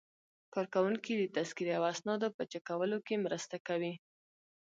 کارکوونکي د تذکرې او اسنادو په چک کولو کې مرسته کوي.